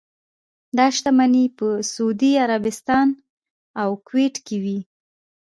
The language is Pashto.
دا شتمنۍ په سعودي عربستان او کویټ کې وې.